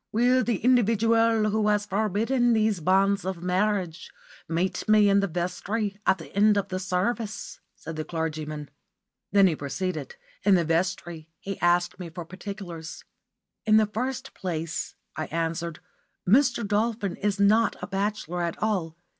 "Will the individual who has forbidden these banns of marriage meet me in the vestry at the end of the service?" said the clergyman. Then he proceeded. In the vestry he asked me for particulars. "In the first place," I answered, "Mr. Dolphin is not a bachelor at all.